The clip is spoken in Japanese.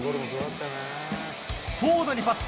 フォードにパス。